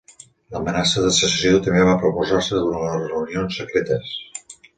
L'amenaça de secessió també va proposar-se durant les reunions secretes.